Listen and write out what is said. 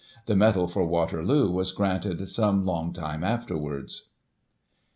The Medal for Waterloo was granted some long time afterwards.